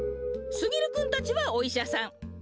すぎるくんたちはおいしゃさん。